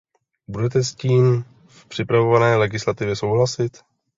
Budete s tím v připravované legislativě souhlasit?